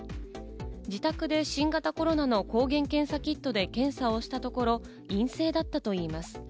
自宅で新型コロナの抗原検査キットで検査をしたところ、陰性だったといいます。